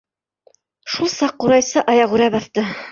Шул саҡ ҡурайсы аяғүрә баҫты.